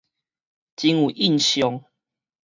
真有印象